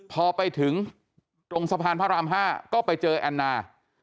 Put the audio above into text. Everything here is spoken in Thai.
พอไปถึงตรงสะพานพระราม๕ก็ไปเจอแอนนา